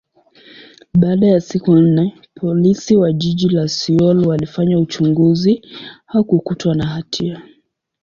baada ya siku nne, Polisi wa jiji la Seoul walifanya uchunguzi, hakukutwa na hatia.